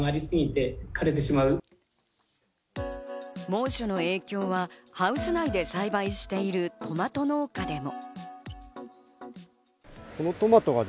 猛暑の影響はハウス内で栽培しているトマト農家でも。